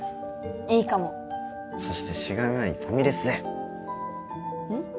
いいかもそしてしがないファミレスへうん？